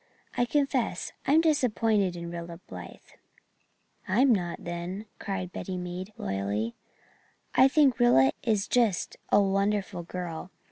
I confess I'm disappointed in Rilla Blythe." "I am not, then," cried Betty Meade, loyally, "I think Rilla is just a wonderful girl.